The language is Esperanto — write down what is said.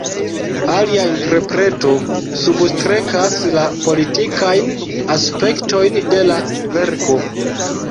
Alia interpreto substrekas la politikajn aspektojn de la verko.